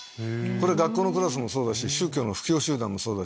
学校のクラスもそうだし宗教の布教集団もそうだし